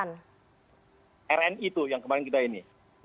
yang rni tuh yang kemarin kita ini